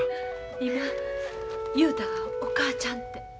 今雄太が「お母ちゃん」て。